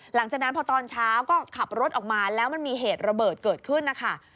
หลังจากนั้นพอตอนเช้าก็ขับรถออกมาแล้วมันมีเหตุระเบิดเกิดขึ้นนะคะ